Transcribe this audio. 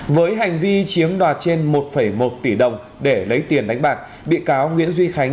với hành vi chiếm đoạt trên một một tỷ đồng để lấy tiền đánh bạc bị cáo nguyễn duy khánh